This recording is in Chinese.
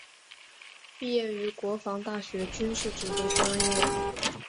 毕业于国防大学军事指挥专业。